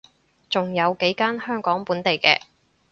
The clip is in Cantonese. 仲有幾間香港本地嘅